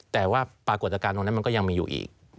แต่ว่าปรากฏการณ์ตรงนั้นมันก็ยังมีอยู่อีก